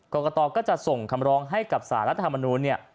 กรกตก็จะส่งคำร้องให้กับสารรัฐธรรมนูลเนี่ย